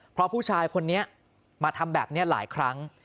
เพราะผู้ชายคนนี้มาทำแบบนี้หลายครั้ง